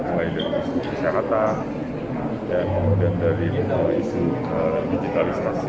mulai dari kesehatan kemudian dari isu digitalisasi